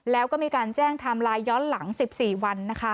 แล้วก็มีการแจ้งไทม์ไลน์ย้อนหลัง๑๔วันนะคะ